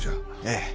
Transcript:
ええ。